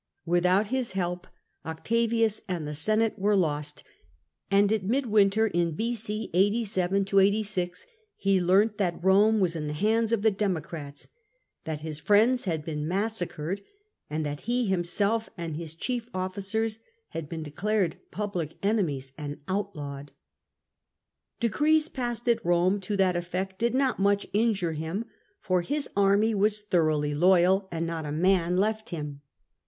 With out his help Octavius and the Senate were lost, and at mid winter in B.c. 87 86 he learnt that Eome was in the hands of the Democrats, that his friends had been massacred, and that he himself and his chief officers had been de clared public enemies and outlawed. Decrees passed at Eome to that effect did not much injure him, for his army was thoroughly loyal, and not a man left him.